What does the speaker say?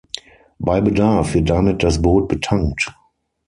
Bei Bedarf wird damit das Boot betankt.